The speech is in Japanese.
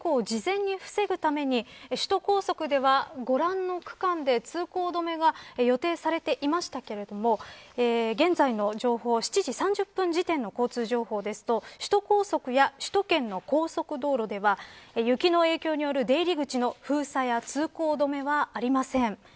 まずは高速道路ですが雪による事故を事前に防ぐために首都高速では、ご覧の区間で通行止めが予定されていましたけれども現在の情報７時３０分時点の交通情報ですと首都高速や首都圏の高速道路では雪の影響による出入り口の封鎖や通行止めはありません。